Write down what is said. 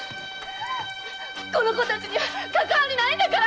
この子たちにはかかわりないんだから！